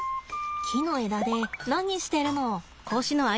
木の枝で何してるの？